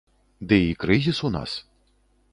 Ды і крызіс у нас.